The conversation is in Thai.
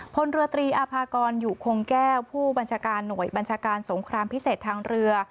พลเรือตรีอาภากรอยู่คงแก้วผู้บัญชาการหน่วยบัญชาการสงครามพิเศษทางเรือ